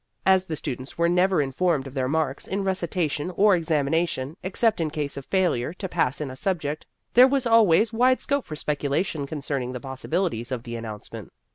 As the students were never in formed of their marks in recitation or ex amination, except in case of failure to pass in a subject, there was always wide scope for speculation concerning the possibili ties of the announcement.